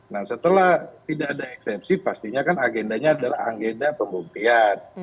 nah setelah tidak ada eksepsi pastinya kan agendanya adalah agenda pembuktian